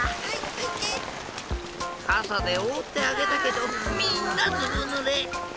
かさでおおってあげたけどみんなずぶぬれ。